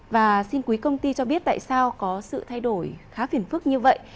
và xin quý công ty cho biết tại sao có sự thay đổi khá phiền phức như vậy